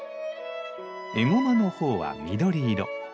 エゴマの苞は緑色。